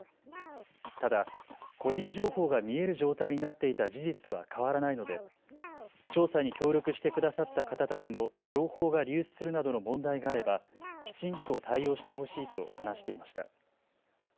ただ個人情報が見える状態になっていた事実は変わらないので調査に協力してくださった方たちの情報が流出するなどの問題があれば、きちんと対応してほしいと話していました。